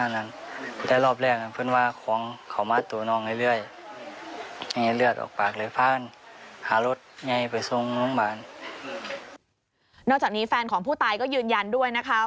นอกจากนี้แฟนของผู้ตายก็ยืนยันด้วยนะคะ